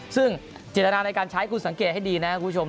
ซึ่งเจตนาในการใช้คุณสังเกตให้ดีนะครับคุณผู้ชม